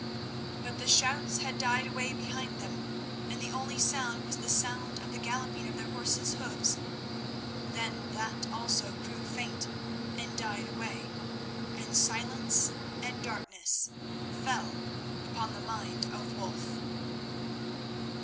But the shouts had died away behind them, and the only sound was the sound of the galloping of their horses' hoofs. Then that also grew faint and died away, and silence and darkness fell upon the mind of Wulf.